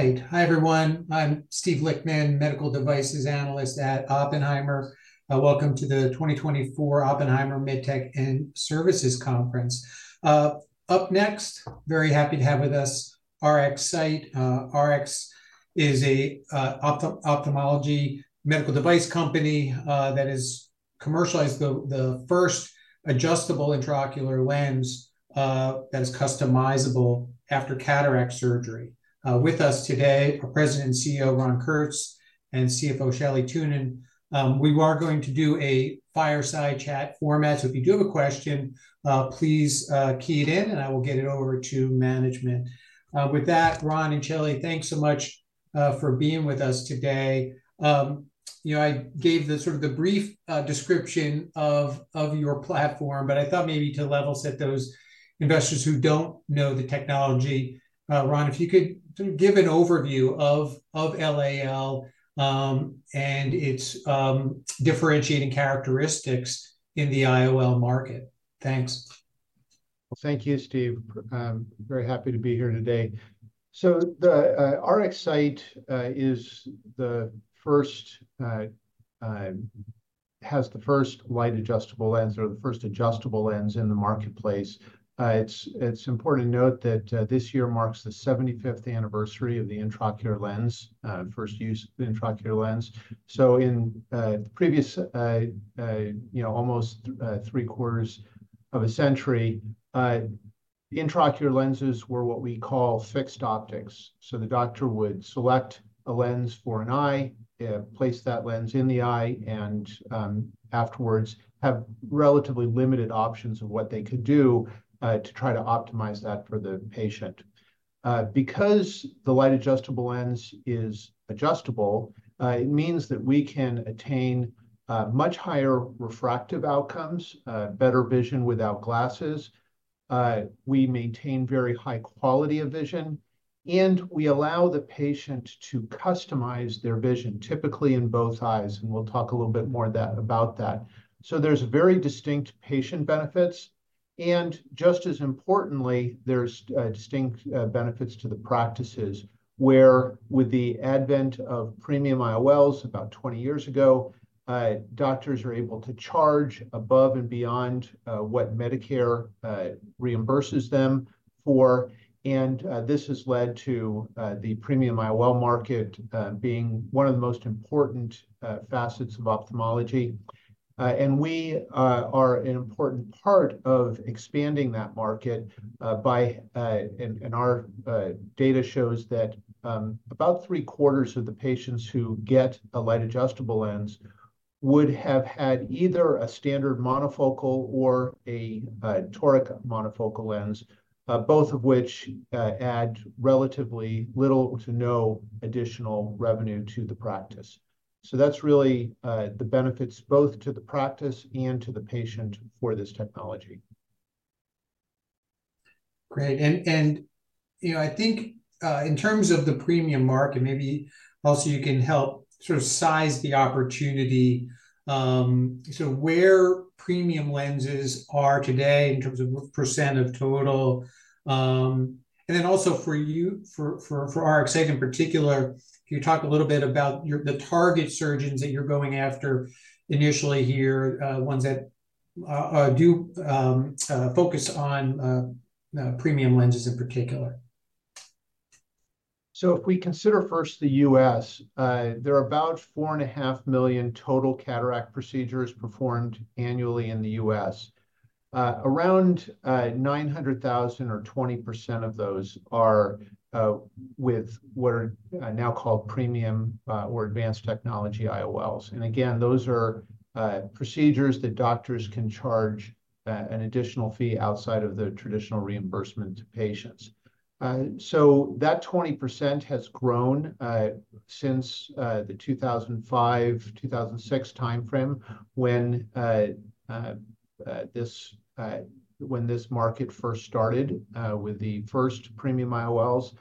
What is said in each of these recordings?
All right. Hi, everyone. I'm Steve Lichtman, medical devices analyst at Oppenheimer. Welcome to the 2024 Oppenheimer Mid-Tech and Services Conference. Up next, very happy to have with us RxSight. RxSight is an ophthalmology medical device company that has commercialized the first adjustable intraocular lens that is customizable after cataract surgery. With us today are President and CEO, Ron Kurtz, and CFO, Shelley Thunen. We are going to do a fireside chat format, so if you do have a question, please key it in, and I will get it over to management. With that, Ron and Shelley, thanks so much for being with us today. You know, I gave the sort of brief description of your platform, but I thought maybe to level set those investors who don't know the technology, Ron, if you could give an overview of LAL, and its differentiating characteristics in the IOL market. Thanks. Thank you, Steve. Very happy to be here today. RxSight has the first Light Adjustable Lens or the first adjustable lens in the marketplace. It's important to note that this year marks the 75th anniversary of the intraocular lens, first use of the intraocular lens. So in the previous, you know, almost three-quarters of a century, the intraocular lenses were what we call fixed optics. So the doctor would select a lens for an eye, place that lens in the eye, and afterwards, have relatively limited options of what they could do to try to optimize that for the patient. Because the Light Adjustable Lens is adjustable, it means that we can attain much higher refractive outcomes, better vision without glasses. We maintain very high quality of vision, and we allow the patient to customize their vision, typically in both eyes, and we'll talk a little bit more of that, about that. So there's very distinct patient benefits, and just as importantly, there's distinct benefits to the practices, where with the advent of premium IOLs about 20 years ago, doctors are able to charge above and beyond what Medicare reimburses them for, and this has led to the premium IOL market being one of the most important facets of ophthalmology. And we are an important part of expanding that market by... Our data shows that about three-quarters of the patients who get a Light Adjustable Lens would have had either a standard monofocal or a toric monofocal lens, both of which add relatively little to no additional revenue to the practice. So that's really the benefits both to the practice and to the patient for this technology. Great, and you know, I think in terms of the premium market, maybe also you can help sort of size the opportunity, so where premium lenses are today in terms of what percent of total? And then also for you, for RxSight in particular, can you talk a little bit about your target surgeons that you're going after initially here, ones that do focus on premium lenses in particular? So if we consider first the US, there are about 4.5 million total cataract procedures performed annually in the US. Around 900,000 or 20% of those are with what are now called premium or advanced technology IOLs. And again, those are procedures that doctors can charge an additional fee outside of the traditional reimbursement to patients. So that 20% has grown since the 2005, 2006 timeframe, when this market first started with the first premium IOLs.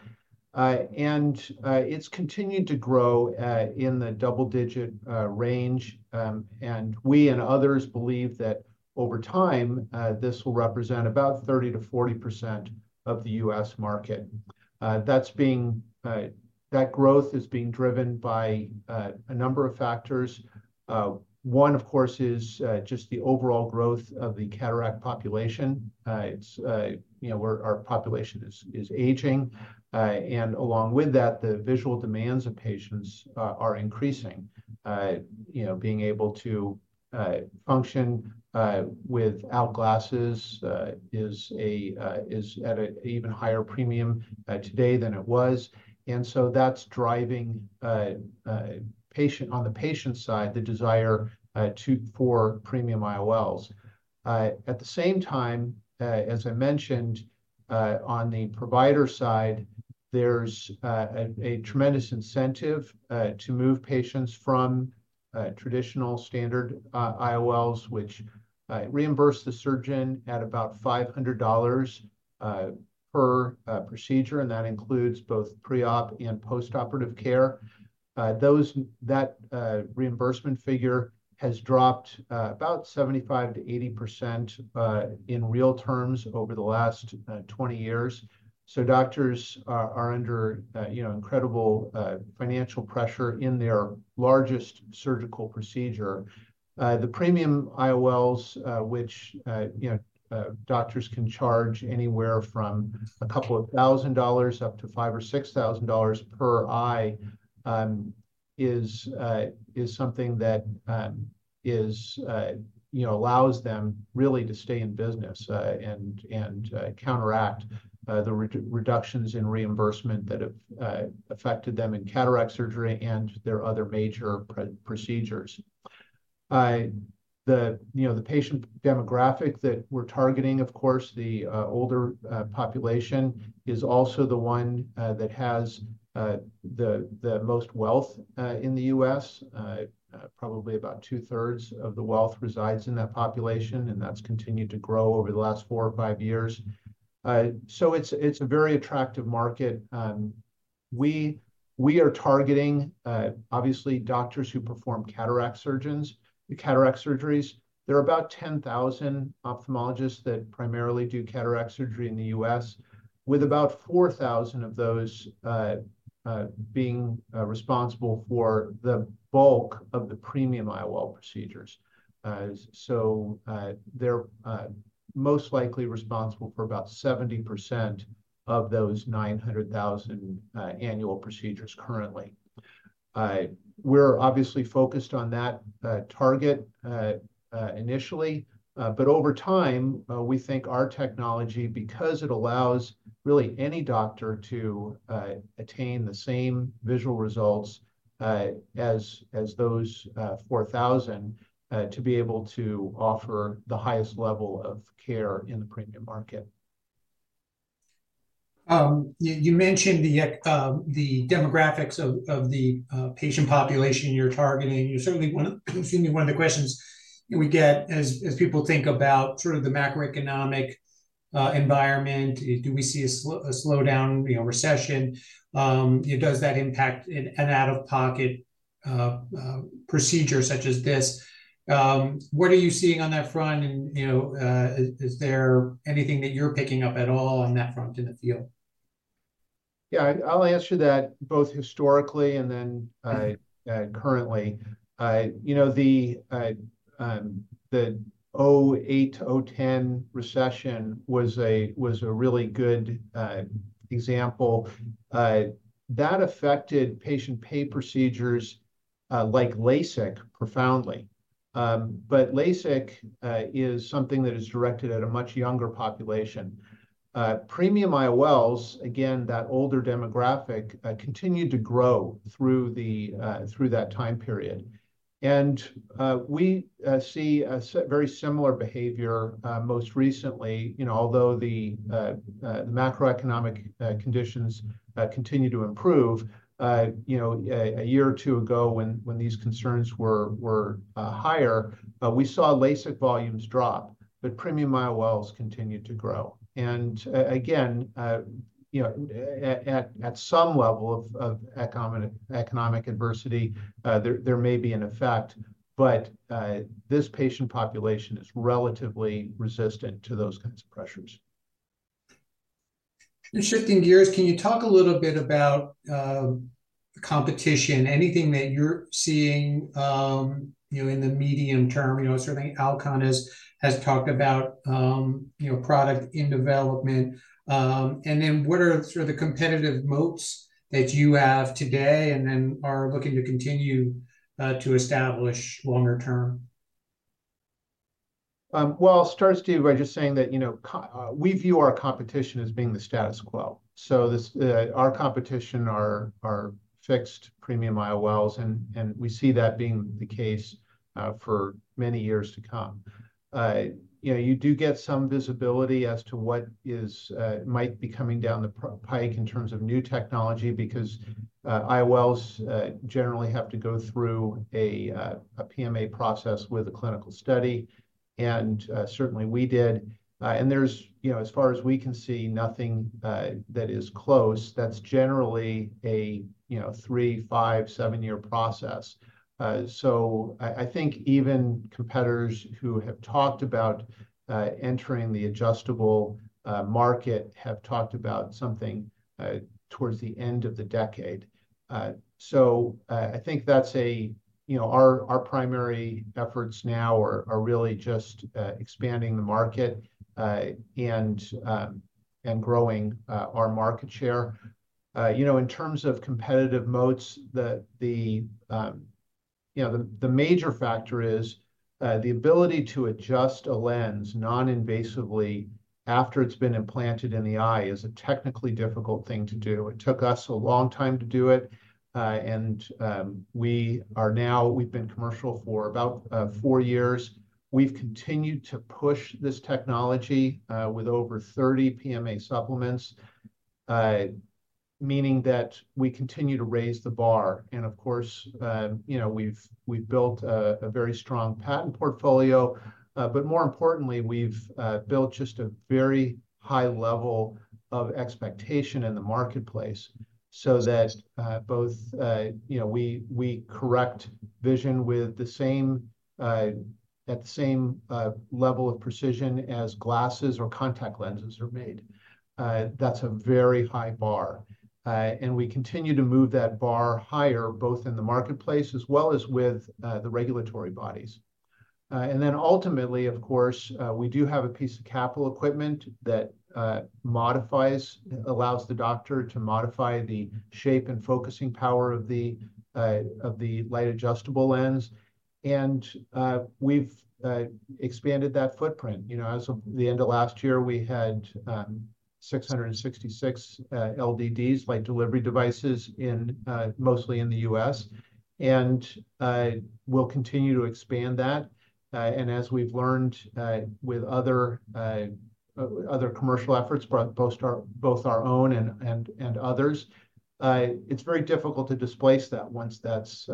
And it's continued to grow in the double-digit range, and we and others believe that over time this will represent about 30%-40% of the US market. That growth is being driven by a number of factors. One, of course, is just the overall growth of the cataract population. It's, you know, our population is aging, and along with that, the visual demands of patients are increasing. You know, being able to function without glasses is at an even higher premium today than it was, and so that's driving, on the patient side, the desire for Premium IOLs. At the same time, as I mentioned, on the provider side, there's a tremendous incentive to move patients from traditional standard IOLs, which reimburse the surgeon at about $500 per procedure, and that includes both pre-op and post-operative care. That reimbursement figure has dropped about 75%-80% in real terms over the last 20 years. So doctors are under, you know, incredible financial pressure in their largest surgical procedure. The Premium IOLs, which, you know, doctors can charge anywhere from $2,000 up to $5,000 or $6,000 per eye, is, is, you know, allows them really to stay in business, and, and, counteract the reductions in reimbursement that have affected them in cataract surgery and their other major procedures. The, you know, the patient demographic that we're targeting, of course, the older population, is also the one that has the most wealth in the U.S. Probably about two-thirds of the wealth resides in that population, and that's continued to grow over the last 4 or 5 years. So it's a very attractive market. We are targeting, obviously, doctors who perform cataract surgeries. There are about 10,000 ophthalmologists that primarily do cataract surgery in the U.S., with about 4,000 of those being responsible for the bulk of the premium IOL procedures. So, they're most likely responsible for about 70% of those 900,000 annual procedures currently. We're obviously focused on that target initially, but over time, we think our technology, because it allows really any doctor to attain the same visual results as those 4,000 to be able to offer the highest level of care in the premium market. You mentioned the demographics of the patient population you're targeting. Certainly, one of the questions we get as people think about sort of the macroeconomic environment, do we see a slowdown, you know, recession? Does that impact an out-of-pocket procedure such as this? What are you seeing on that front, and, you know, is there anything that you're picking up at all on that front in the field? Yeah, I'll answer that both historically and then, currently. You know, the 2008 to 2010 recession was a really good example. That affected patient pay procedures, like LASIK profoundly. But LASIK is something that is directed at a much younger population. Premium IOLs, again, that older demographic, continued to grow through that time period. And we see a very similar behavior most recently. You know, although the macroeconomic conditions continue to improve, you know, a year or two ago, when these concerns were higher, we saw LASIK volumes drop, but premium IOLs continued to grow. Again, you know, at some level of economic adversity, there may be an effect, but this patient population is relatively resistant to those kinds of pressures. Shifting gears, can you talk a little bit about competition? Anything that you're seeing, you know, in the medium term? You know, certainly, Alcon has talked about, you know, product in development. And then what are sort of the competitive moats that you have today, and then are looking to continue to establish longer term? Well, I'll start, Steve, by just saying that, you know, we view our competition as being the status quo. So our competition are fixed premium IOLs, and we see that being the case for many years to come. You know, you do get some visibility as to what might be coming down the pike in terms of new technology because IOLs generally have to go through a PMA process with a clinical study, and certainly, we did. And there's, you know, as far as we can see, nothing that is close. That's generally a 3, 5, 7-year process. So I think even competitors who have talked about entering the adjustable market have talked about something towards the end of the decade. I think that's a... You know, our primary efforts now are really just expanding the market and growing our market share. You know, in terms of competitive moats, the major factor is the ability to adjust a lens non-invasively after it's been implanted in the eye is a technically difficult thing to do. It took us a long time to do it, and we are now, we've been commercial for about 4 years. We've continued to push this technology with over 30 PMA supplements, meaning that we continue to raise the bar. And of course, you know, we've built a very strong patent portfolio. But more importantly, we've built just a very high level of expectation in the marketplace so that both you know we correct vision with the same, at the same, level of precision as glasses or contact lenses are made. That's a very high bar. And we continue to move that bar higher, both in the marketplace as well as with the regulatory bodies. And then ultimately, of course, we do have a piece of capital equipment that modifies... allows the doctor to modify the shape and focusing power of the Light Adjustable Lens. And we've expanded that footprint. You know, as of the end of last year, we had 666 LDDs, Light Delivery Devices, in mostly in the U.S., and we'll continue to expand that. And as we've learned, with other commercial efforts, both our own and others, it's very difficult to displace that once that's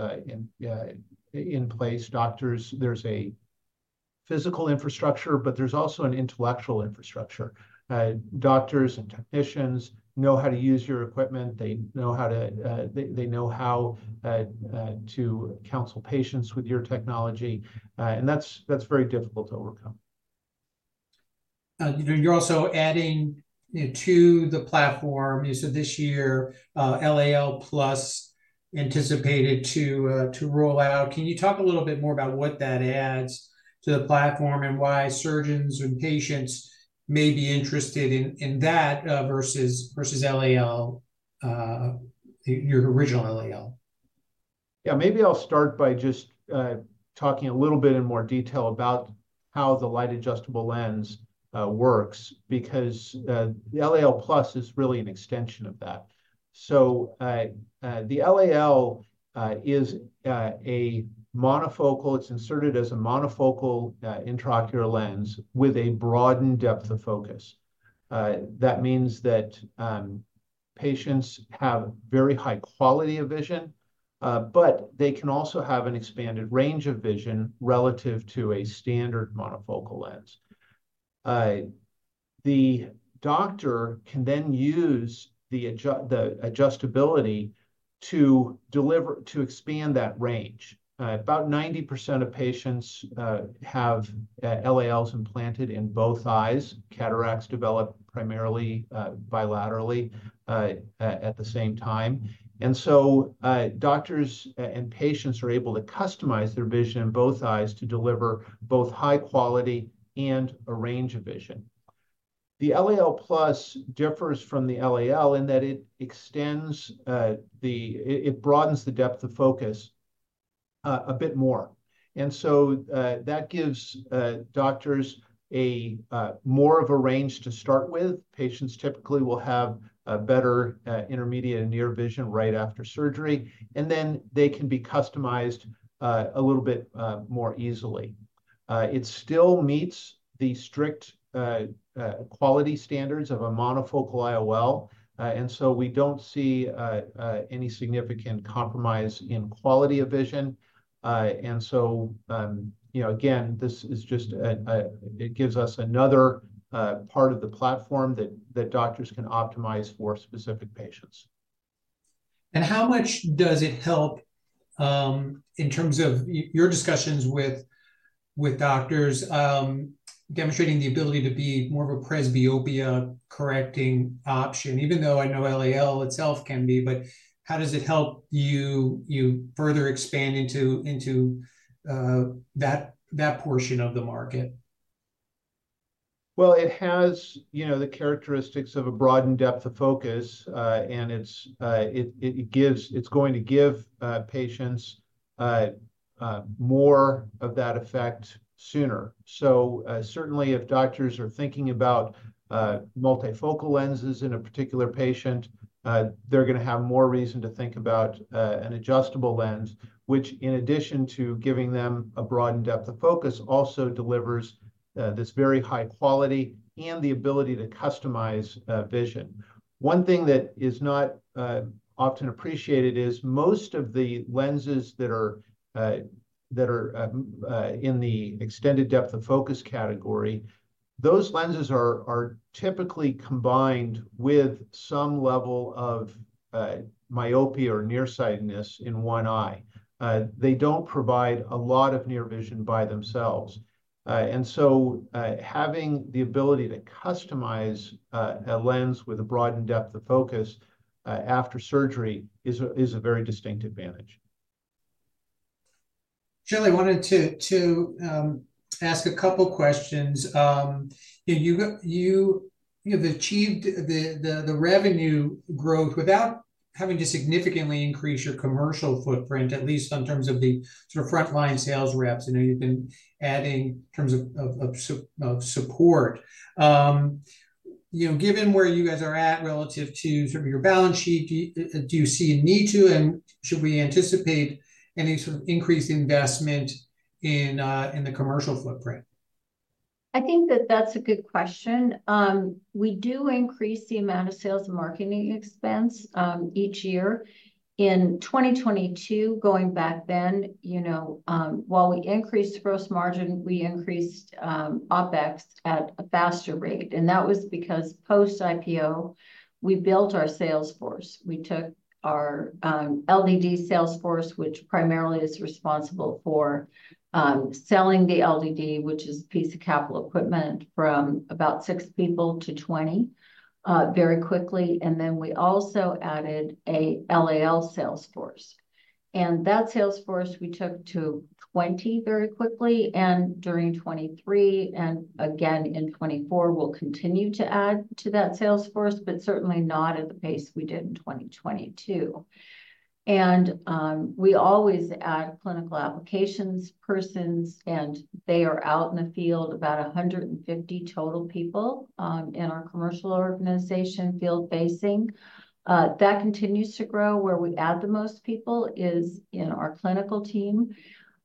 in place. Doctors, there's a physical infrastructure, but there's also an intellectual infrastructure. Doctors and technicians know how to use your equipment. They know how to counsel patients with your technology, and that's very difficult to overcome. You know, you're also adding, you know, to the platform, you said this year, LAL+ anticipated to roll out. Can you talk a little bit more about what that adds to the platform, and why surgeons and patients may be interested in that versus LAL, your original LAL? Yeah, maybe I'll start by just talking a little bit in more detail about how the Light Adjustable Lens works because the LAL+ is really an extension of that. So the LAL is inserted as a monofocal intraocular lens with a broadened depth of focus. That means that patients have very high quality of vision, but they can also have an expanded range of vision relative to a standard monofocal lens. The doctor can then use the adjustability to expand that range. About 90% of patients have LALs implanted in both eyes. Cataracts develop primarily bilaterally at the same time. Doctors and patients are able to customize their vision in both eyes to deliver both high quality and a range of vision. The LAL+ differs from the LAL in that it extends the. It broadens the depth of focus a bit more, and so that gives doctors more of a range to start with. Patients typically will have better intermediate and near vision right after surgery, and then they can be customized a little bit more easily. It still meets the strict quality standards of a monofocal IOL, and so we don't see any significant compromise in quality of vision. And so, you know, again, this is just it gives us another part of the platform that doctors can optimize for specific patients. How much does it help in terms of your discussions with doctors demonstrating the ability to be more of a presbyopia-correcting option, even though I know LAL itself can be, but how does it help you further expand into that portion of the market? Well, it has, you know, the characteristics of a broadened depth of focus, and it's, it, it gives- it's going to give, patients, more of that effect sooner. So, certainly, if doctors are thinking about, multifocal lenses in a particular patient, they're going to have more reason to think about, an adjustable lens, which, in addition to giving them a broadened depth of focus, also delivers, this very high quality and the ability to customize, vision. One thing that is not, often appreciated is most of the lenses that are, that are, in the extended depth of focus category, those lenses are, are typically combined with some level of, myopia or near-sightedness in one eye. They don't provide a lot of near vision by themselves. And so, having the ability to customize a lens with a broadened depth of focus after surgery is a very distinct advantage. Shelley, I wanted to ask a couple questions. You know, you have achieved the revenue growth without having to significantly increase your commercial footprint, at least in terms of the sort of frontline sales reps. I know you've been adding in terms of support. You know, given where you guys are at relative to sort of your balance sheet, do you see a need to, and should we anticipate any sort of increased investment in the commercial footprint?... I think that that's a good question. We do increase the amount of sales and marketing expense, each year. In 2022, going back then, you know, while we increased gross margin, we increased, OpEx at a faster rate, and that was because post-IPO, we built our sales force. We took our, LDD sales force, which primarily is responsible for, selling the LDD, which is a piece of capital equipment, from about 6 people to 20, very quickly, and then we also added a LAL sales force. That sales force we took to 20 very quickly, and during 2023, and again in 2024, we'll continue to add to that sales force, but certainly not at the pace we did in 2022. We always add clinical applications persons, and they are out in the field, about 150 total people, in our commercial organization, field-facing. That continues to grow. Where we add the most people is in our clinical team,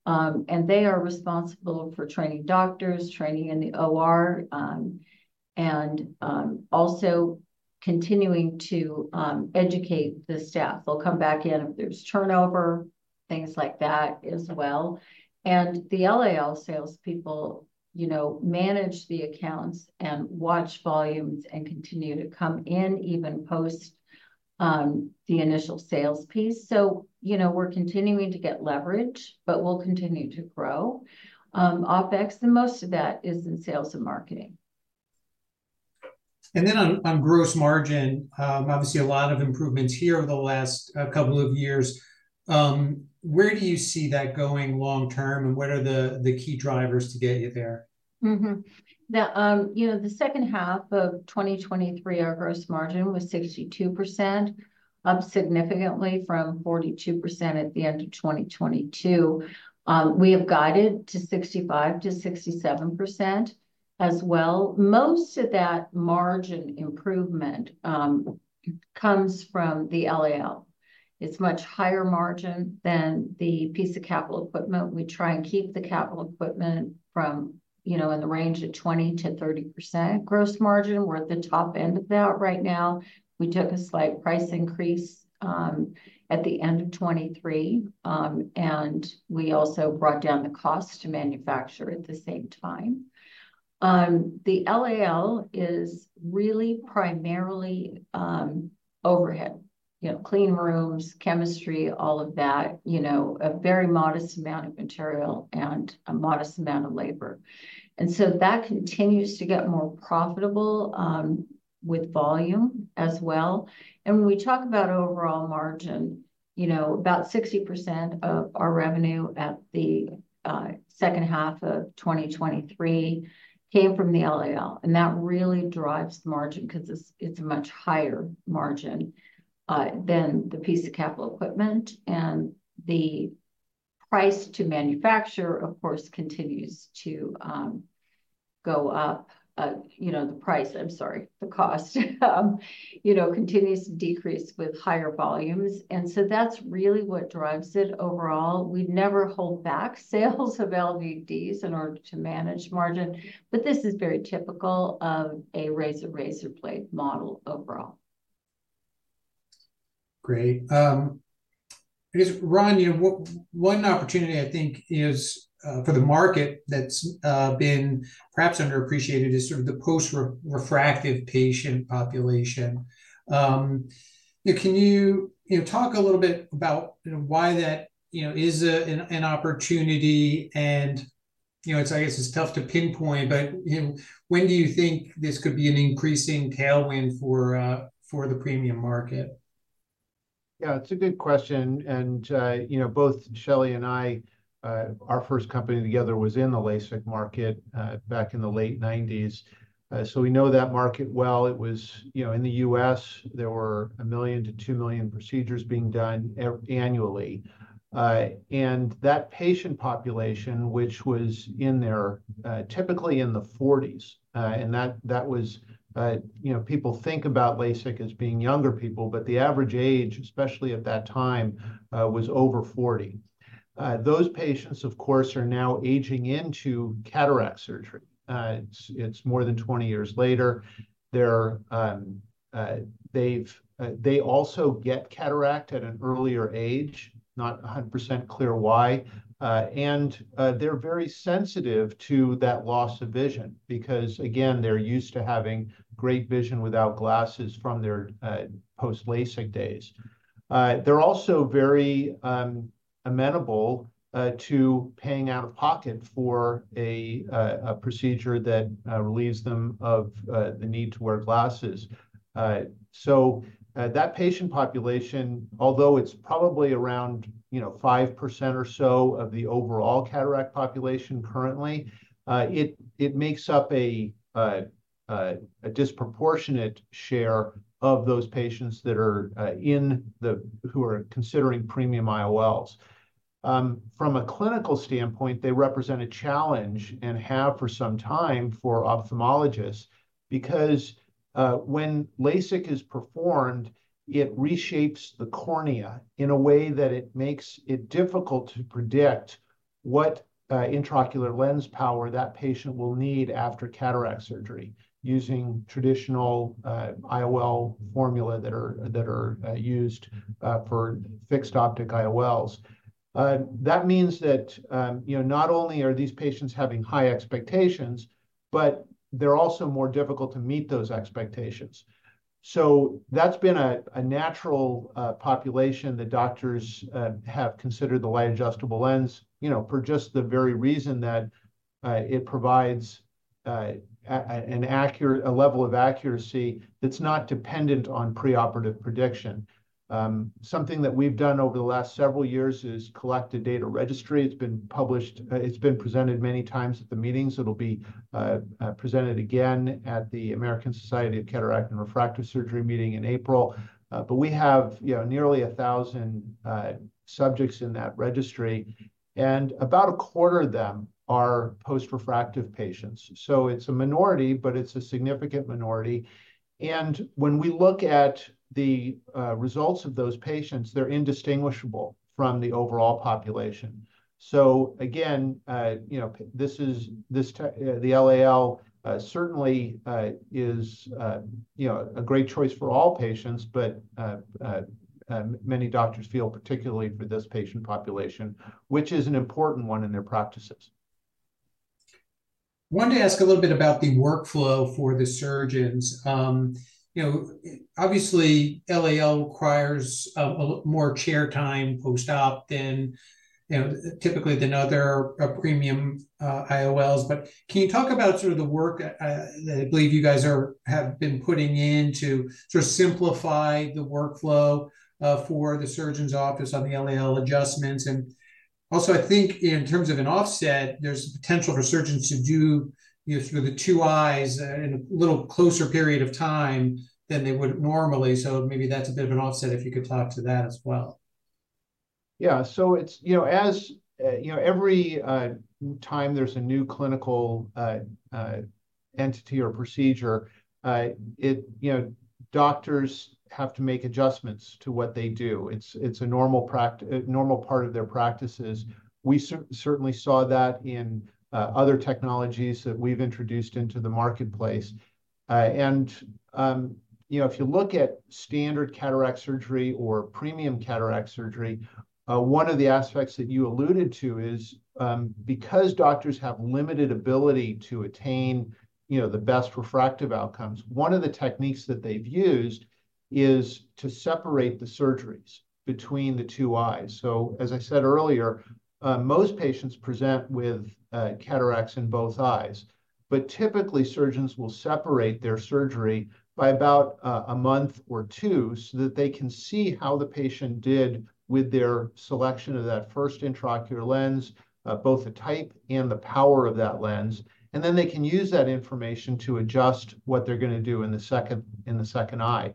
and they are responsible for training doctors, training in the OR, and also continuing to educate the staff. They'll come back in if there's turnover, things like that as well. The LAL salespeople, you know, manage the accounts and watch volumes and continue to come in, even post the initial sales piece. So, you know, we're continuing to get leverage, but we'll continue to grow OpEx, and most of that is in sales and marketing. And then on gross margin, obviously a lot of improvements here over the last couple of years. Where do you see that going long term, and what are the key drivers to get you there? The, you know, the second half of 2023, our gross margin was 62%, up significantly from 42% at the end of 2022. We have guided to 65%-67% as well. Most of that margin improvement comes from the LAL. It's much higher margin than the piece of capital equipment. We try and keep the capital equipment from, you know, in the range of 20%-30% gross margin. We're at the top end of that right now. We took a slight price increase at the end of 2023, and we also brought down the cost to manufacture at the same time. The LAL is really primarily overhead. You know, clean rooms, chemistry, all of that, you know, a very modest amount of material and a modest amount of labor. So that continues to get more profitable with volume as well. And when we talk about overall margin, you know, about 60% of our revenue at the second half of 2023 came from the LAL, and that really drives the margin 'cause it's a much higher margin than the piece of capital equipment. And the price to manufacture, of course, continues to go up. You know, the price... I'm sorry, the cost, you know, continues to decrease with higher volumes, and so that's really what drives it overall. We'd never hold back sales of LDDs in order to manage margin, but this is very typical of a razor-razor blade model overall. Great. I guess, Ron, you know, one opportunity I think is for the market that's been perhaps underappreciated is sort of the post-refractive patient population. Yeah, can you, you know, talk a little bit about, you know, why that, you know, is an opportunity and, you know, it's, I guess, it's tough to pinpoint, but, you know, when do you think this could be an increasing tailwind for the premium market? Yeah, it's a good question, and, you know, both Shelley and I, our first company together was in the LASIK market, back in the late 1990s, so we know that market well. It was... You know, in the U.S., there were 1 million-2 million procedures being done annually. And that patient population, which was in their, typically in their 40s, and that, that was... You know, people think about LASIK as being younger people, but the average age, especially at that time, was over 40. Those patients, of course, are now aging into cataract surgery. It's, it's more than 20 years later. They also get cataract at an earlier age, not 100% clear why, and they're very sensitive to that loss of vision because, again, they're used to having great vision without glasses from their post-LASIK days. They're also very amenable to paying out of pocket for a procedure that relieves them of the need to wear glasses. So, that patient population, although it's probably around, you know, 5% or so of the overall cataract population currently, it makes up a disproportionate share of those patients who are considering Premium IOLs. From a clinical standpoint, they represent a challenge, and have for some time, for ophthalmologists because when LASIK is performed, it reshapes the cornea in a way that it makes it difficult to predict what intraocular lens power that patient will need after cataract surgery using traditional IOL formula that are used for fixed optic IOLs. That means that, you know, not only are these patients having high expectations, but they're also more difficult to meet those expectations. So that's been a natural population that doctors have considered the Light Adjustable Lens, you know, for just the very reason that it provides an accurate level of accuracy that's not dependent on preoperative prediction. Something that we've done over the last several years is collect a data registry. It's been published. It's been presented many times at the meetings. It'll be presented again at the American Society of Cataract and Refractive Surgery meeting in April. But we have, you know, nearly 1,000 subjects in that registry, and about a quarter of them are post-refractive patients. So it's a minority, but it's a significant minority, and when we look at the results of those patients, they're indistinguishable from the overall population. So again, you know, the LAL certainly is, you know, a great choice for all patients, but many doctors feel particularly for this patient population, which is an important one in their practices. Wanted to ask a little bit about the workflow for the surgeons. You know, obviously, LAL requires a more chair time post-op than, you know, typically than other premium IOLs. But can you talk about sort of the work that I believe you guys have been putting in to sort of simplify the workflow for the surgeon's office on the LAL adjustments? And also, I think in terms of an offset, there's potential for surgeons to do, you know, through the two eyes in a little closer period of time than they would normally. So maybe that's a bit of an offset, if you could talk to that as well. Yeah, so it's you know, as you know, every time there's a new clinical entity or procedure, it you know, doctors have to make adjustments to what they do. It's a normal part of their practices. We certainly saw that in other technologies that we've introduced into the marketplace. And you know, if you look at standard cataract surgery or premium cataract surgery, one of the aspects that you alluded to is because doctors have limited ability to attain you know, the best refractive outcomes, one of the techniques that they've used is to separate the surgeries between the two eyes. So, as I said earlier, most patients present with cataracts in both eyes, but typically, surgeons will separate their surgery by about a month or two so that they can see how the patient did with their selection of that first intraocular lens, both the type and the power of that lens, and then they can use that information to adjust what they're gonna do in the second eye.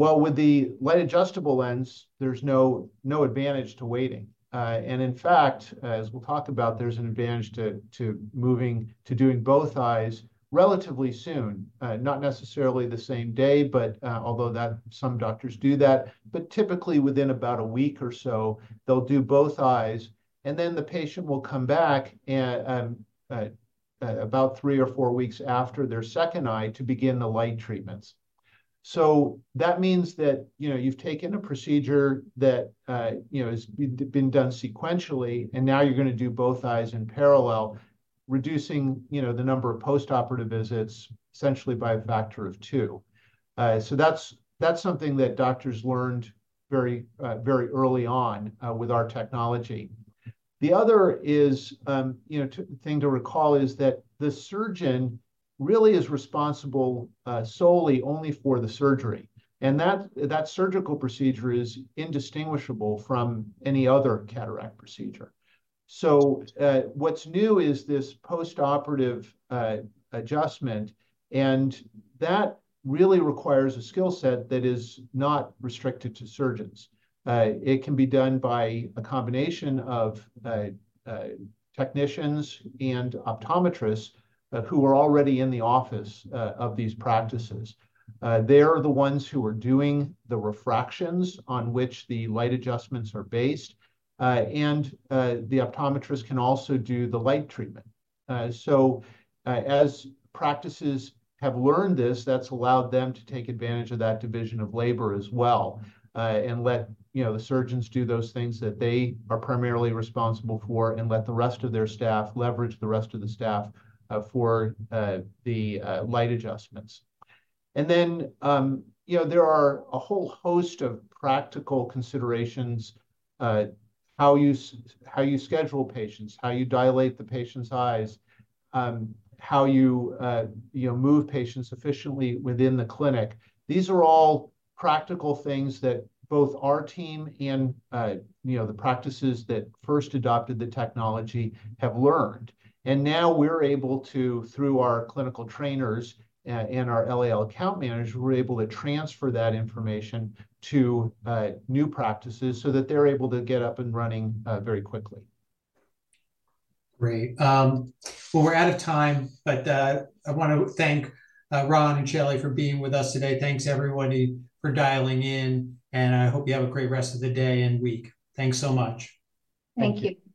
Well, with the light adjustable lens, there's no, no advantage to waiting. And in fact, as we'll talk about, there's an advantage to moving, to doing both eyes relatively soon. Not necessarily the same day, but although some doctors do that, but typically within about a week or so, they'll do both eyes, and then the patient will come back at about three or four weeks after their second eye to begin the light treatments. So that means that, you know, you've taken a procedure that, you know, has been done sequentially, and now you're gonna do both eyes in parallel, reducing, you know, the number of post-operative visits essentially by a factor of two. So that's something that doctors learned very, very early on with our technology. The other is, you know, thing to recall is that the surgeon really is responsible solely only for the surgery, and that surgical procedure is indistinguishable from any other cataract procedure. So, what's new is this post-operative adjustment, and that really requires a skill set that is not restricted to surgeons. It can be done by a combination of technicians and optometrists who are already in the office of these practices. They are the ones who are doing the refractions on which the light adjustments are based, and the optometrists can also do the light treatment. So, as practices have learned this, that's allowed them to take advantage of that division of labor as well, and let, you know, the surgeons do those things that they are primarily responsible for, and let the rest of their staff... leverage the rest of the staff for the light adjustments. And then, you know, there are a whole host of practical considerations, how you schedule patients, how you dilate the patient's eyes, how you, you know, move patients efficiently within the clinic. These are all practical things that both our team and, you know, the practices that first adopted the technology have learned. And now we're able to, through our clinical trainers, and our LAL account managers, we're able to transfer that information to, new practices so that they're able to get up and running, very quickly. Great. Well, we're out of time, but I want to thank Ron and Shelley for being with us today. Thanks everybody for dialing in, and I hope you have a great rest of the day and week. Thanks so much. Thank you.